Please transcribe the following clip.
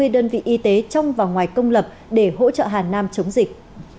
hai mươi đơn vị y tế trong và ngoài công lập để hỗ trợ hà nam chống dịch